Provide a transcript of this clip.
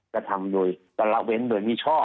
กระทำโดยละเว้นโดยมิชอบ